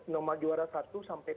nomor juara satu sampai